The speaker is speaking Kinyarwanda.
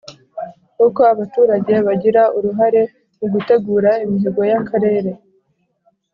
Uko abaturage bagira uruhare mu gutegura imihigo y akarere